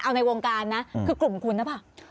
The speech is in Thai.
เอาในวงการนะคือกลุ่มคุณน่ะป่ะ